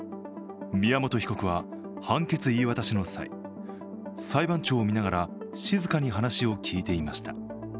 宮本被告は判決言い渡しの際、裁判長を見ながら、静かに話を聞いていました。